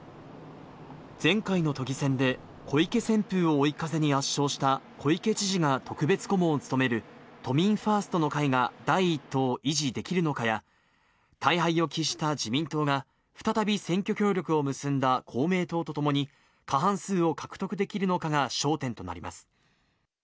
前回の都議選で、小池旋風を追い風に圧勝した小池知事が特別顧問を務める、都民ファーストの会が第１党を維持できるのかや、大敗を喫した自民党が、再び選挙協力を結んだ公明党と共に、過半数を獲得できるのかが焦点となります。